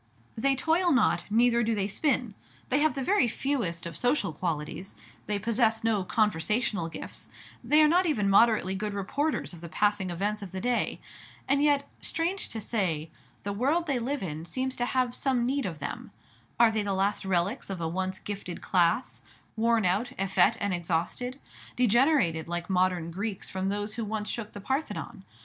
They toil not, neither do they spin. They have the very fewest of social qualities; they possess no conversational gifts; they are not even moderately good reporters of the passing events of the day. And yet, strange to say, the world they live in seems to have some need of them. Are they the last relics of a once gifted class, worn out, effete, and exhausted, degenerated like modern Greeks from those who once shook the Parthenon?